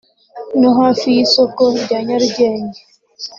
no hafi y’isoko rya Nyarugenge